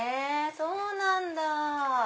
そうなんだ。